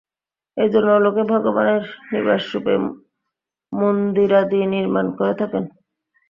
সেই জন্য লোকে ভগবানের নিবাস-রূপে মন্দিরাদি নির্মাণ করে থাকে।